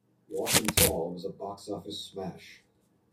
"Walking Tall" was a box office smash.